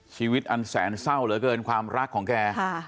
ชีวิตอันแสนเศร้าเหลือเกินความรักของแก